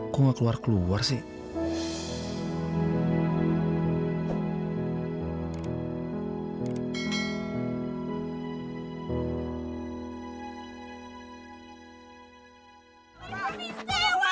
gue gak keluar keluar sih